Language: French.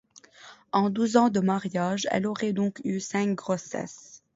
En douze ans de mariage, elle aurait donc eu cinq grossesses.